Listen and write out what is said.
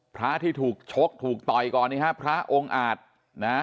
พระที่ถูกชกถูกต่อยก่อนนี่ฮะพระองค์อาจนะ